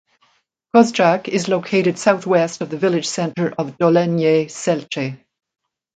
Kozjak is located southwest of the village center of Dolenje Selce.